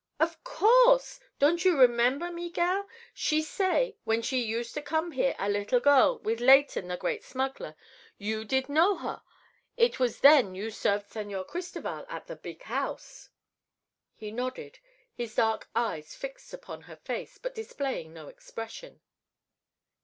"Of course. Don't you remember, Miguel? She say, when she used to come here, a little girl, with Leighton the great smuggler, you did know her. It was then you served Señor Cristoval, at the big house." He nodded, his dark eyes fixed upon her face but displaying no expression.